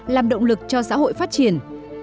làm động lực cho xã hội phát triển